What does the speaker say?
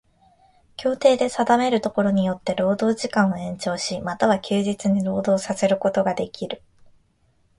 協定で定めるところによつて労働時間を延長し、又は休日に労働させることができる。